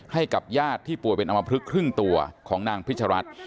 ให้กับญาติที่ป่วยเป็นอมพลึกครึ่งตัวของนางพิชรัฐ